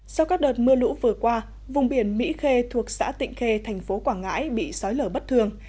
sau các đợt mưa lũ vừa qua vùng biển mỹ khê thuộc xã tịnh khê thành phố quảng ngãi bị sói lở bất thường